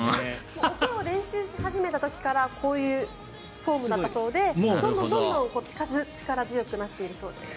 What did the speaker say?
お手の練習をし始めた時からこういうフォームだったそうでどんどん力強くなっているそうです。